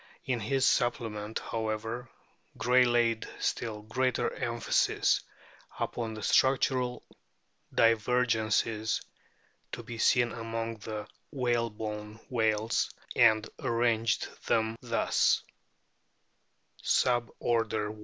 In his "Supplement," however, Gray laid still greater emphasis upon the structural divergences to be seen amono the whalebone whales, o o and arranged them thus: Sub order I.